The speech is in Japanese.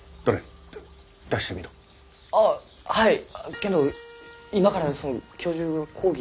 けんど今からその教授は講義。